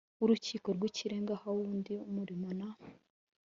w urukiko rw ikirenga ahawe undi murimo na